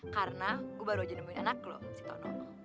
karena gue baru aja nemuin anak lo si tono